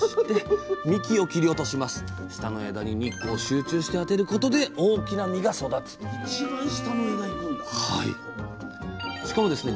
下の枝に日光を集中して当てることで大きな実が育つとしかもですね